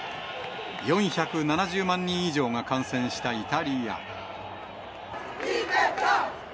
４７０万人以上が感染したイタリア。